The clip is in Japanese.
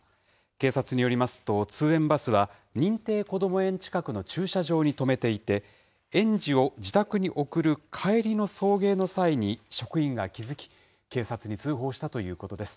警察によりますと、通園バスは認定こども園近くの駐車場に止めていて、園児を自宅に送る帰りの送迎の際に職員が気付き、警察に通報したということです。